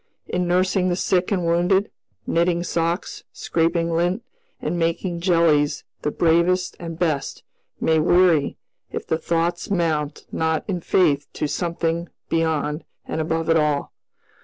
In nursing the sick and wounded, knitting socks, scraping lint, and making jellies the bravest and best may weary if the thoughts mount not in faith to something beyond and above it all.